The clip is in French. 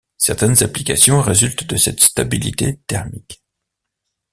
Certaines applications résultent de cette stabilité thermique.